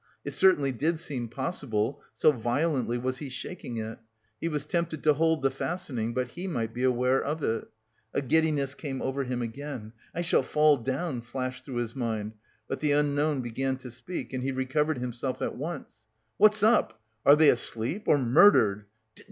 It certainly did seem possible, so violently was he shaking it. He was tempted to hold the fastening, but he might be aware of it. A giddiness came over him again. "I shall fall down!" flashed through his mind, but the unknown began to speak and he recovered himself at once. "What's up? Are they asleep or murdered?